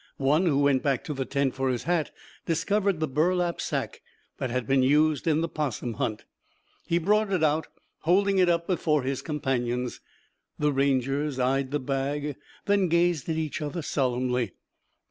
One who went back to the tent for his hat discovered the burlap sack that had been used in the 'possum hunt. He brought it out, holding it up before his companions. The Rangers eyed the bag, then gazed at each other solemnly.